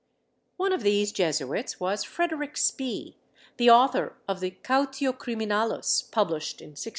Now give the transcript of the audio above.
One of these Jesuits was Frederick Spee, the author of the Cautio Criminalis, published in 1631.